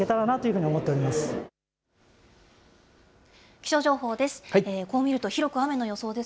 気象情報です。